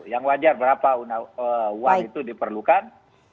yang wajar berapa uang itu diperlukan